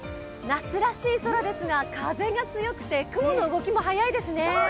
夏らしい空ですが、風が強くて、雲の動きも速いですね。